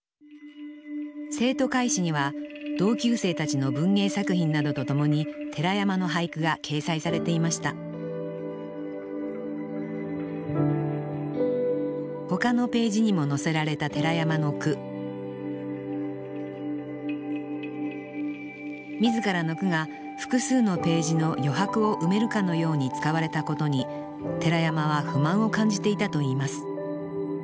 生徒会誌には同級生たちの文芸作品などとともに寺山の俳句が掲載されていましたほかのページにも載せられた寺山の句自らの句が複数のページの余白を埋めるかのように使われたことに寺山は不満を感じていたといいます